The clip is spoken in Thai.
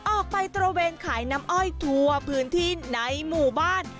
ออกไปตระเวนขายน้ำอ้อยทั่วพื้นที่ในหมู่บ้าน